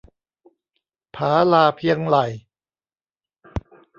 ผาลาเพียงไหล่